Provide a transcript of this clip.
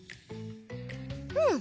うん。